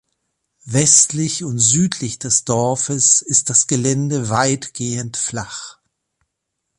Westlich und südlich des Dorfes ist das Gelände weitgehend flach.